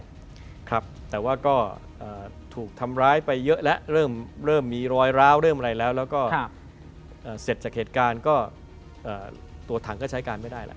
ครับแต่ว่าก็ถูกทำร้ายไปเยอะแล้วเริ่มมีรอยร้าวเริ่มอะไรแล้วแล้วก็เสร็จจากเหตุการณ์ก็ตัวถังก็ใช้การไม่ได้แล้ว